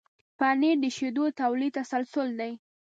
پنېر د شیدو د تولید تسلسل دی.